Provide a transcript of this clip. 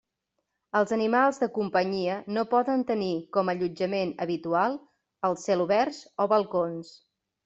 Els animals de companyia no poden tenir com allotjament habitual els celoberts o balcons.